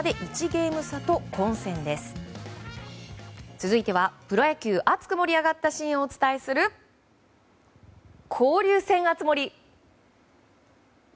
続いてはプロ野球、熱く盛り上がったシーンをお伝えする交流戦熱盛。